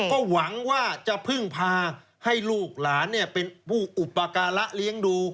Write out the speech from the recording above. ก็หวังว่าจะพึ่งพาให้ลูกหลานเป็นผู้อุปการะเลี้ยงดู